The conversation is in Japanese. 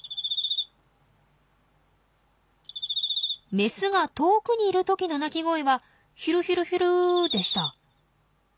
メスが遠くにいる時の鳴き声はヒュルヒュルヒュルでした。